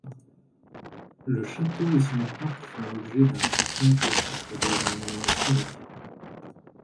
Le château et son parc font l'objet d'un classement au titre des monuments historiques.